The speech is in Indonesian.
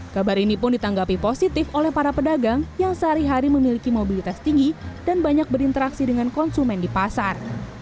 kabar ini pun ditanggapi positif oleh para pedagang yang sehari hari memiliki mobilitas tinggi dan banyak berinteraksi dengan konsumen di pasar